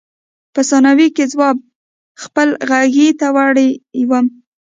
په ثانیو کې خوب خپلې غېږې ته وړی وم.